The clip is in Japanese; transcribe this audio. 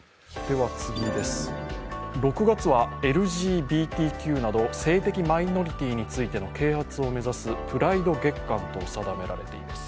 ６月はＬＧＢＴＱなど性的マイノリティーについての啓発を目指すプライド月間と定められています。